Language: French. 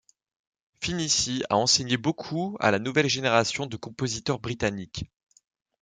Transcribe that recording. Finnissy a enseigné beaucoup à la nouvelle génération de compositeurs britanniques.